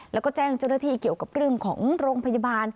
แล้วก็แจ้งเจ้าหน้าที่เกี่ยวกับเรื่องของโรงพยาบาล